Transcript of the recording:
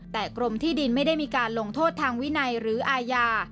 แต่กรมที่ดินไม่ได้มีการลงโทษทางวินัยหรืออาญา